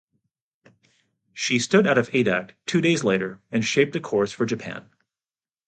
She stood out of Adak two days later and shaped a course for Japan.